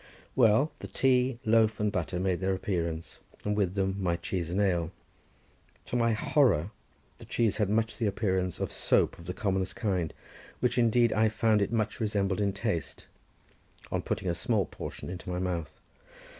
Well, the tea, loaf, and butter made their appearance, and with them my cheese and ale. To my horror the cheese had much the appearance of soap of the commonest kind, which indeed I found it much resembled in taste, on putting a small portion into my mouth.